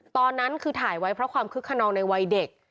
ตอนนั้นคือถ่ายไว้เพราะความคึกขนองในวัยเด็ก